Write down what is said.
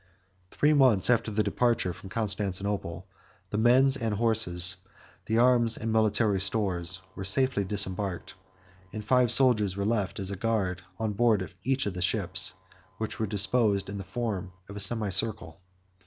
1611 Three months after their departure from Constantinople, the men and horses, the arms and military stores, were safely disembarked, and five soldiers were left as a guard on board each of the ships, which were disposed in the form of a semicircle.